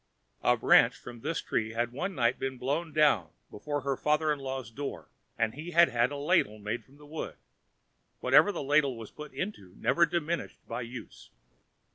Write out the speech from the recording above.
A branch from this tree had one night been blown down before her father in law's door, and he had had a ladle made from the wood. Whatever the ladle was put into never diminished by use.